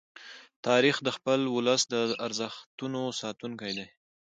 تاریخ د خپل ولس د ارزښتونو ساتونکی دی.